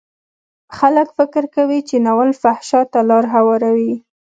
خلک فکر کوي چې ناول فحشا ته لار هواروي.